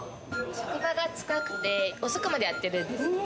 職場が近くて遅くまでやってるんです。